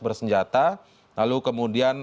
bersenjata lalu kemudian